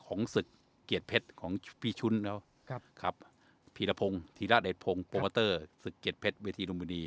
ของศึกเกียรติเพชรของพี่ชุ้นแล้วครับครับพี่ระพงศึกเกียรติเพชรเวทีลมูลี